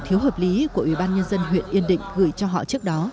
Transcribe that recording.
thiếu hợp lý của ủy ban nhân dân huyện yên định gửi cho họ trước đó